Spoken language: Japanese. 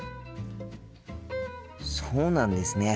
そうなんですね。